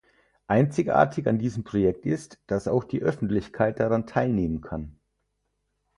Einzigartig an diesem Projekt ist, dass auch die Öffentlichkeit daran teilnehmen kann.